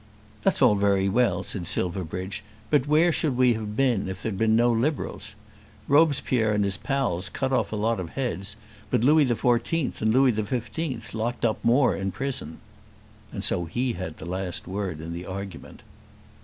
"That's all very well," said Silverbridge, "but where should we have been if there had been no Liberals? Robespierre and his pals cut off a lot of heads, but Louis XIV and Louis XV locked up more in prison." And so he had the last word in the argument.